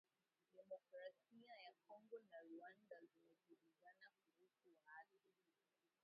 Demokrasia ya Kongo na Rwanda zajibizana kuhusu waasi